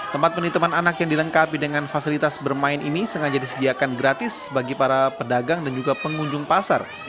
tempat penitipan anak yang dilengkapi dengan fasilitas bermain ini sengaja disediakan gratis bagi para pedagang dan juga pengunjung pasar